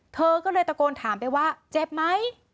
เธอก็เลยตะโกนถามไปว่าเจ็บไหม